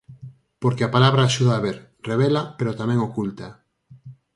Porque a palabra axuda a ver, revela, pero tamén oculta.